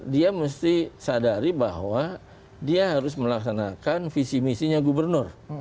dia mesti sadari bahwa dia harus melaksanakan visi misinya gubernur